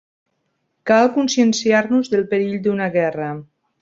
Cal conscienciar-nos del perill d'una guerra.